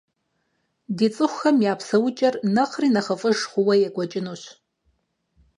Ди цӏыхухэм я псэукӏэр нэхъри нэхъыфӏыж хъууэ екӏуэкӏынущ.